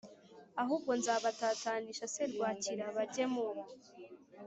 Ahubwo nzabatatanisha serwakira bajye mu